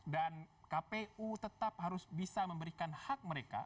dan kpu tetap harus bisa memberikan hak mereka